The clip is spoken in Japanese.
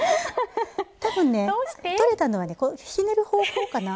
取れたのはねひねる方向かな。